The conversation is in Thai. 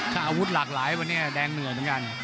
ถ้าอาวุธหลากหลายวันนี้แดงเหนื่อยเหมือนกัน